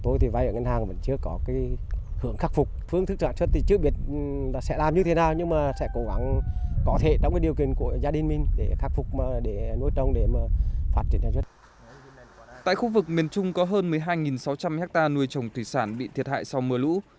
tại khu vực miền trung có hơn một mươi hai sáu trăm linh hectare nuôi trồng thủy sản bị thiệt hại sau mưa lũ